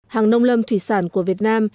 hàng nông lâm thủy sản của việt nam